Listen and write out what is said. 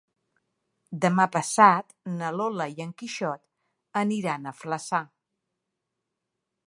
Demà passat na Lola i en Quixot aniran a Flaçà.